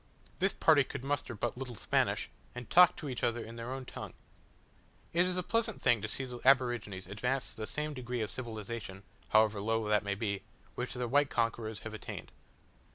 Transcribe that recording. This party could muster but little Spanish, and talked to each other in their own tongue. It is a pleasant thing to see the aborigines advanced to the same degree of civilization, however low that may be, which their white conquerors have attained.